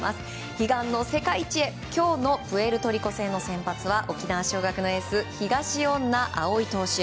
悲願の世界一へ今日のプエルトリコ戦の先発は沖縄尚学のエース東恩納蒼投手。